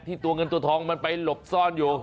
ตัวเงินตัวทองมันไปหลบซ่อนอยู่